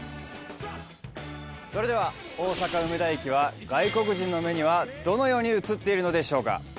それでは、大阪梅田駅は外国人の目には、どのように映っているのでしょうか？